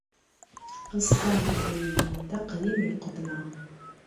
Aẓeṭṭa aqbayli d aqdim n lqedma.